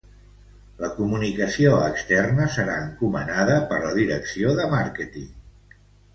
La comunicació externa serà encomanada per la direcció de màrqueting.